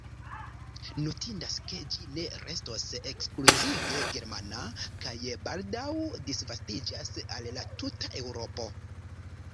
Notindas ke ĝi ne restos ekskluzive germana kaj baldaŭ disvastiĝas al la tuta Eŭropo.